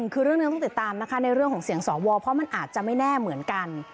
คือเรื่องนี้ต้องติดตามนะคะในเรื่องของเสียงสวเพราะมันอาจจะไม่แน่เหมือนกัน